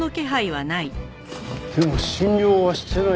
でも診療はしてないようだ。